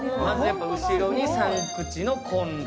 後ろに３口のコンロ。